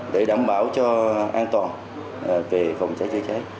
để đảm bảo cho an toàn về phòng cháy chữa cháy